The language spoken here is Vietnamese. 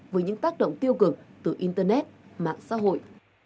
với những tác động tiêu cực từ internet mạng xã hội